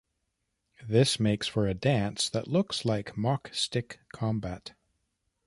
This makes for a dance that looks like "mock stick combat".